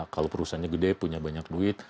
kalau perusahaannya gede punya banyak duit